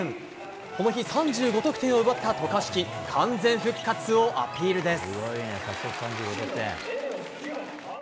この日３５得点を奪った渡嘉敷完全復活をアピールです。